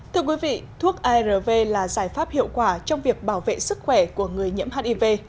thưa quý vị thuốc arv là giải pháp hiệu quả trong việc bảo vệ sức khỏe của người nhiễm hiv